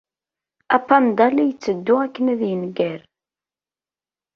Apanda la yetteddu akken ad yenger.